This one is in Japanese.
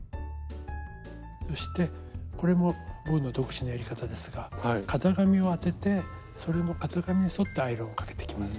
そしてこれも僕の独自のやり方ですが型紙を当ててそれの型紙に沿ってアイロンをかけていきます。